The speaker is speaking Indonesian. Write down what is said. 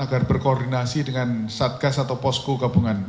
agar berkoordinasi dengan satgas atau posko gabungan